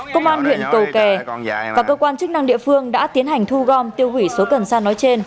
công an huyện cầu kè và cơ quan chức năng địa phương đã tiến hành thu gom tiêu hủy số cần sa nói trên